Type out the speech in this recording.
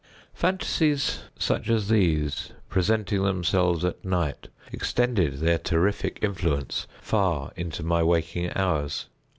Phantasies such as these, presenting themselves at night, extended their terrific influence far into my waking hours.